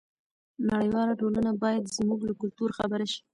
نړیواله ټولنه باید زموږ له کلتور خبره شي.